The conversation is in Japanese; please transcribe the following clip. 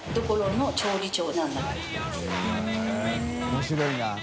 面白いな。